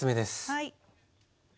はい。